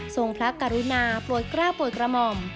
ทรงพระกรุณาปลวดกล้าปลวดกระหม่อม